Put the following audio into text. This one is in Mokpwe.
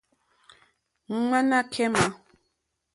Ŋwánâ kémà.